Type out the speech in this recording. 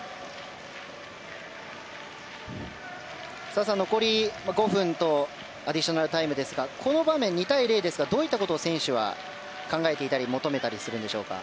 澤さん、残り５分とアディショナルタイムですがこの場面、２対０ですがどういうことを選手は考えていたり求めたりするんでしょうか。